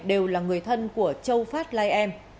đều là người thân của châu phát lai em